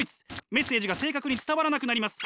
メッセージが正確に伝わらなくなります。